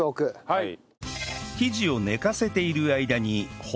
はい。